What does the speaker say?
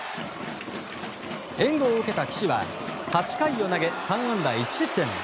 援護を受けた岸は、８回を投げ３安打１失点。